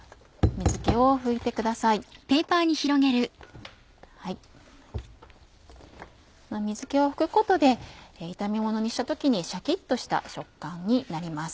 水気を拭くことで炒めものにした時にシャキっとした食感になります。